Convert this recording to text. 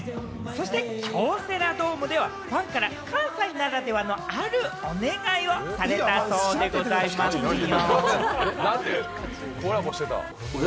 京セラドームではファンから関西ならではの、あるお願いをされたそうでございますよ。